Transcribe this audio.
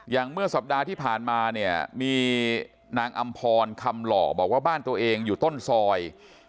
เมื่อสัปดาห์ที่ผ่านมาเนี่ยมีนางอำพรคำหล่อบอกว่าบ้านตัวเองอยู่ต้นซอย